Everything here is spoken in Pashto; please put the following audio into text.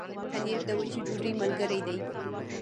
پنېر د وچې ډوډۍ ملګری دی.